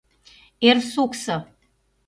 Эр Суксо!